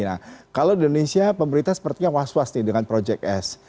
nah kalau di indonesia pemerintah sepertinya was was nih dengan proyek s